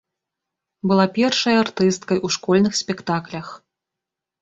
Была першай артысткай у школьных спектаклях.